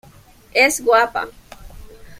Es guapa.